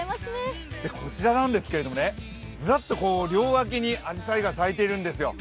こちらなんですけど、ずらっと両脇にあじさいが咲いているんですよ。